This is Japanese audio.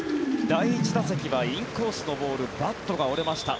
第１打席はインコースのボールバットが折れました